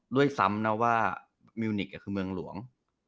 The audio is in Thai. ด้วยซ้ำนะว่ามิวนิกคือเมืองหลวง